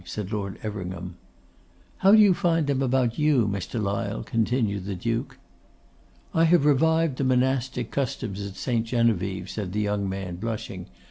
said Lord Everingham. 'How do you find them about you, Mr. Lyle?' continued the Duke. 'I have revived the monastic customs at St. Genevieve,' said the young man, blushing.